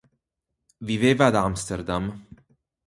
Viveva ad Amsterdam.